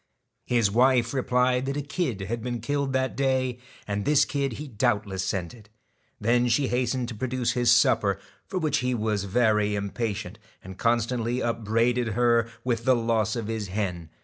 His wife replied that a kid had been killed that day, and this kid he doubtless scented. Then she hastened to produce his supper, for which he was very impatient, and constantly up braided her with the loss of his hen.